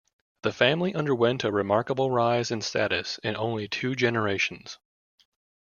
The family underwent a remarkable rise in status in only two generations.